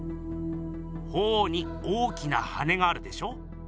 鳳凰に大きな羽があるでしょ？